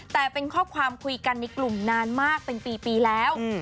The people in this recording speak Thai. แต่เป็นข้อความคุยกันในกลุ่มนานมากเป็นปีแล้ว